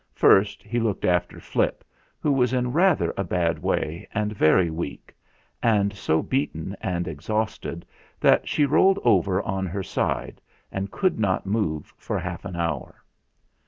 First he looked after Flip, who was in rather a bad way and very weak, and so beaten and exhausted that she rolled over on her side and could not move for half an hour.